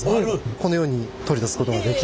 このように取り出すことができます。